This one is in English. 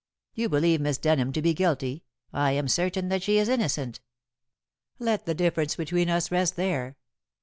You believe Miss Denham to be guilty. I am certain that she is innocent. Let the difference between us rest there.